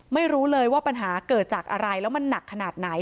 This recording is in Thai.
ไม่รู้เลยว่าปัญหาเกิดจากอะไรแล้วมันหนักขนาดไหน